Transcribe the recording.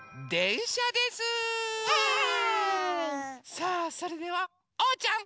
さあそれではおうちゃん！